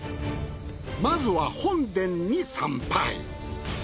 まずは本殿に参拝。